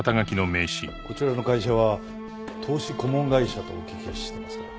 こちらの会社は投資顧問会社とお聞きしてますが。